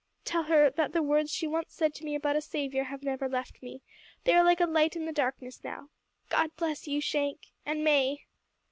Tell her that the words she once said to me about a Saviour have never left me. They are like a light in the darkness now. God bless you Shank and May."